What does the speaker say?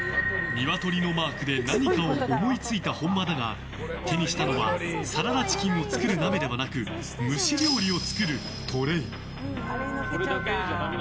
ニワトリのマークで何かを思いついた本間だが手にしたのはサラダチキンを作る鍋ではなく蒸し料理を作るトレイ。